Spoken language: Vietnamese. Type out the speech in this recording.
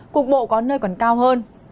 cục bộ có nơi còn cao hơn